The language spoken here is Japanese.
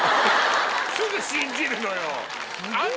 すぐ信じるのよ。